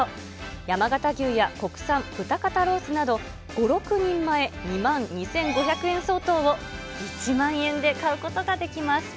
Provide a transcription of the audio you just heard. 山形牛や国産豚肩ロースなど、５、６人前、２万２５００円相当を１万円で買うことができます。